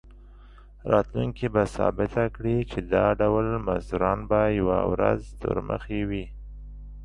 راتلونکي به ثابته کړي چې دا ډول مزدوران به یوه ورځ تورمخي وي.